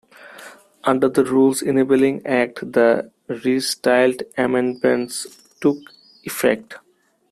Under the Rules Enabling Act, the restyled amendments took effect.